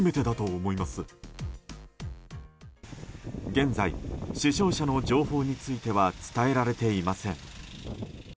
現在、死傷者の情報については伝えられていません。